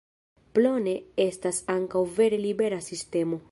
Plone estas ankaŭ vere libera sistemo.